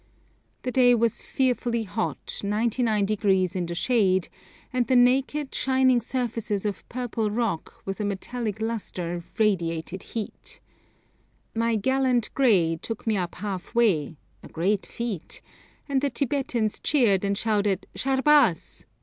The day was fearfully hot, 99° in the shade, and the naked, shining surfaces of purple rock with a metallic lustre radiated heat. My 'gallant grey' took me up half way a great feat and the Tibetans cheered and shouted '_Sharbaz!